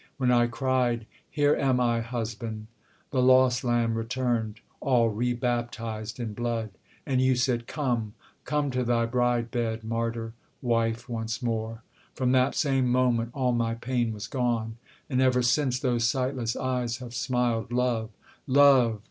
When I cried 'Here am I, husband! The lost lamb returned, All re baptized in blood!' and you said, 'Come! Come to thy bride bed, martyr, wife once more!' From that same moment all my pain was gone; And ever since those sightless eyes have smiled Love love!